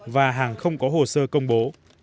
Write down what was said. và hàng không có hồ sơ công bố